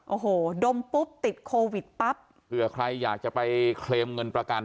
โอ้โหดมปุ๊บติดโควิดปั๊บเผื่อใครอยากจะไปเคลมเงินประกัน